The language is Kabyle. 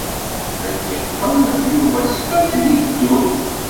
Ad d-iqqel Yuba ssmana i d-iteddun.